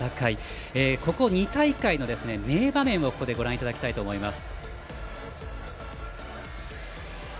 ここ２大会の名場面をご覧いただきたいと思います。